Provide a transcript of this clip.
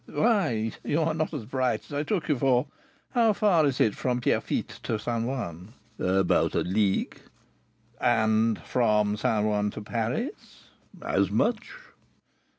"Why, you are not so bright as I took you for. How far is it from Pierrefitte to St. Ouen?" "About a league." "And from St. Ouen to Paris?" "As much."